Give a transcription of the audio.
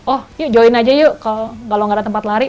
oh yuk join aja yuk kalau nggak ada tempat lari